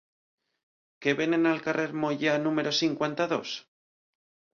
Què venen al carrer de Moià número cinquanta-dos?